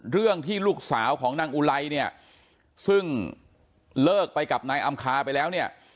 เรื่องที่ลูกสาวของนางอุไลเนี่ยซึ่งเลิกไปกับนายอำคาไปแล้วเนี่ย